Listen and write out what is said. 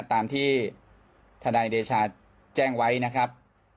ตามที่ทนายเดชาแจ้งไว้นะครับ